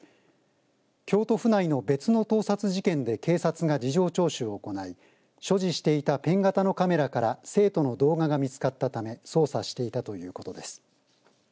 京都府内の別の盗撮事件で警察が事情聴取を行い所持していたペン型のカメラから生徒の動画が見つかったため捜査していたということです。